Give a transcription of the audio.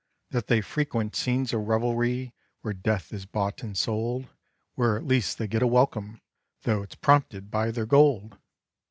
That they frequent scenes of revelry Where death is bought and sold, Where at least they get a welcome Though it's prompted by their gold?